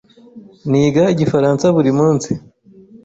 Niga Igifaransa buri munsi.